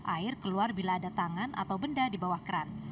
air keluar bila ada tangan atau benda di bawah keran